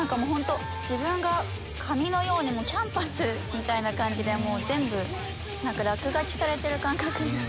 自分が紙のようなキャンバスみたいな感じで全部落書きされてる感覚でした。